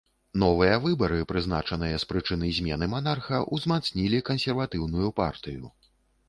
Новыя выбары, прызначаныя з прычыны змены манарха, узмацнілі кансерватыўную партыю.